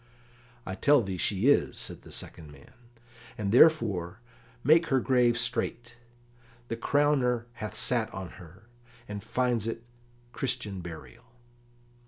"I tell thee she is," said the second man, "and therefore make her grave straight; the crowner hath sat on her, and finds it Christian burial."